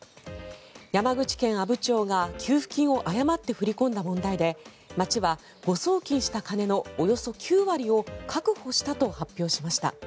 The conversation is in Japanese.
山口県阿武町が給付金を誤って振り込んだ問題で町は誤送金した金のおよそ９割を確保したと発表しました。